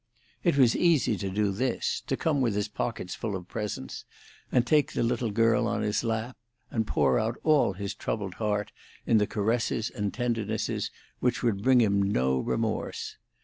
It was easy to do this: to come with his pockets full of presents, and take the little girl on his lap, and pour out all his troubled heart in the caresses and tendernesses which would bring him no remorse.